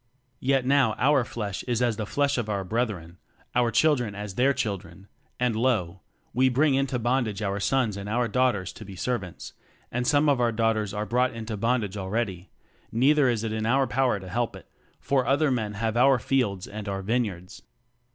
Yet now our flesh is as the flesh of our brethren, our children as their chil dren: and lo, we bring into bondage our sons and our daughters to be ser vants, and some of our daughters are brought into bondage already: neither is it in our power to help it; for other men have our fields and our vineyards.